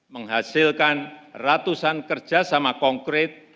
menghasilkan ratusan kerjasama konkret